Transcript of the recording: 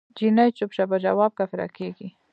جینی چپ شه په جواب کافره کیږی